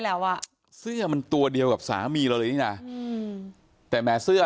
แล้วอ่ะเสื้อมันตัวเดียวกับสามีเราเลยนี่น่ะอืมแต่แม้เสื้อ